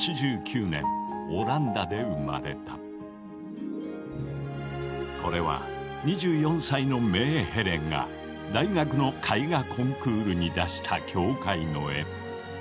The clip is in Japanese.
有名画家そっくりの彼はこれは２４歳のメーヘレンが大学の絵画コンクールに出した教会の絵。